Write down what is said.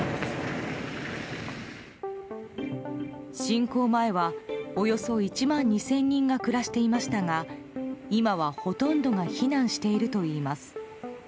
侵攻前はおよそ１万２０００人が暮らしていましたが今は、ほとんどが避難しているといいます。